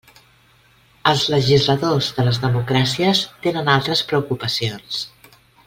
Els legisladors de les democràcies tenen altres preocupacions.